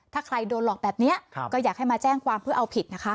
ถ้าใครโดนหลอกแบบนี้ก็อยากให้มาแจ้งความเพื่อเอาผิดนะคะ